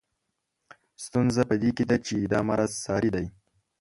ستونزه په دې کې ده چې دا مرض ساري دی.